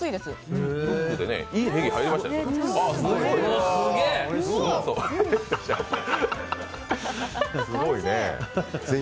すごいね。